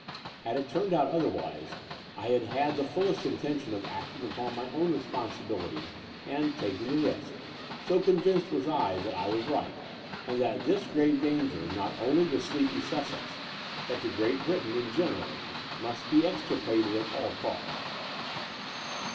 Had it turned out otherwise, I had had the fullest intention of acting upon my own responsi bility and taking the risk, so convinced was I that I was right, and that this grave danger not only to sleepy Sussex, but to Great Britain in general, must be extirpated at all costs.